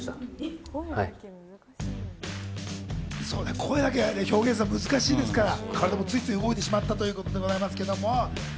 声だけで表現するの難しいですから、体もついつい動いてしまったということですけれども。